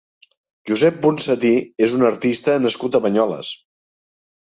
Josep Ponsatí és un artista nascut a Banyoles.